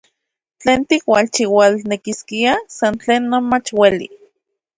Ken tikchiuasnekiskia san tlen non mach ueli.